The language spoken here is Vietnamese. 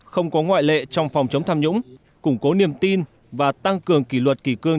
không có ngoại lệ trong phòng chống tham nhũng củng cố niềm tin và tăng cường kỷ luật kỷ cương